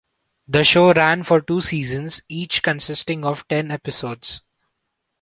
The show ran for two seasons, each consisting of ten episodes.